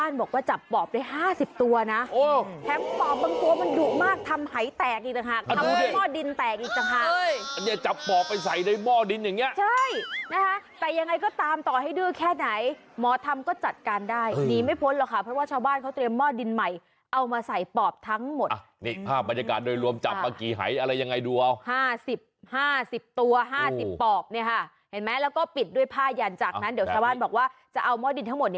นะคะแต่ยังไงก็ตามต่อให้ดื้อแค่ไหนหมอทำก็จัดการได้ดีไม่พ้นหรอกค่ะเพราะว่าชาวบ้านเขาเตรียมหมอดินใหม่เอามาใส่ปอบทั้งหมดนี่ภาพบรรยากาศโดยรวมจับปากกี่ไหยอะไรยังไงดูเอาห้าสิบห้าสิบตัวห้าสิบปอบเนี่ยค่ะเห็นไหมแล้วก็ปิดด้วยผ้ายันจากนั้นเดี๋ยวชาวบ้านบอกว่าจะเอาหมอดินทั้งหม